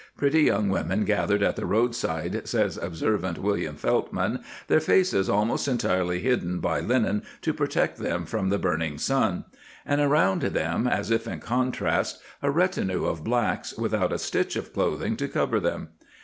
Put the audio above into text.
Pretty young women gathered at the roadside, says observant William Feltman, their faces almost entirely hidden by linen to protect them from the burning sun ; and around them, as if in contrast, a retinue of blacks without a stitch of clothing to cover them.